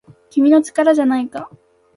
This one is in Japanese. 君の力じゃないか